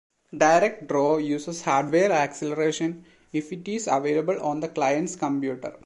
DirectDraw uses hardware acceleration if it is available on the client's computer.